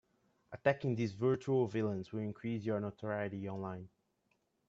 Attacking these virtual villains will increase your notoriety online.